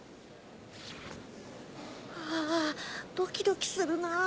ハァドキドキするなぁ。